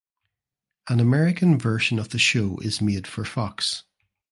An American version of the show is made for Fox.